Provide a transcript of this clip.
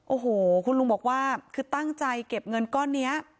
โอ้โหคุณลุงบอกว่าคือตั้งใจเก็บเงินก้อนนี้